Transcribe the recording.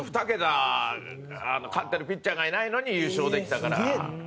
２桁勝ってるピッチャーがいないのに優勝できたから。